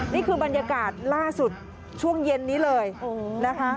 นี่คือบรรยากาศล่าสุดช่วงเย็นนี้เลยนะคะ